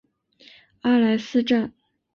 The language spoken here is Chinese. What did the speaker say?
阿莱斯站。